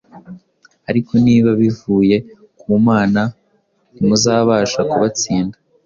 ariko nibiba bivuye ku Mana, ntimuzabasha kubatsinda.